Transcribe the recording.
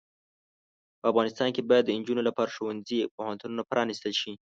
په افغانستان کې باید د انجونو لپاره ښوونځې او پوهنتونونه پرانستل شې.